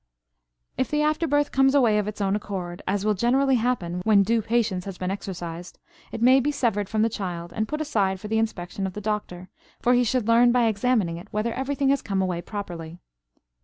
If the after birth comes away of its own accord, as will generally happen when due patience has been exercised, it may be severed from the child and put aside for the inspection of the doctor, for he should learn by examining it whether everything has come away properly.